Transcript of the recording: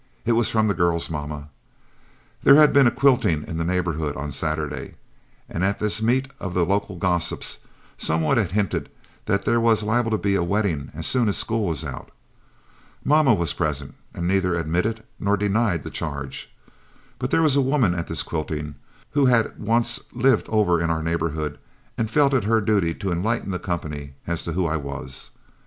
It was from the girl's mamma. There had been a quilting in the neighborhood on Saturday, and at this meet of the local gossips, some one had hinted that there was liable to be a wedding as soon as school was out. Mamma was present, and neither admitted nor denied the charge. But there was a woman at this quilting who had once lived over in our neighborhood and felt it her duty to enlighten the company as to who I was.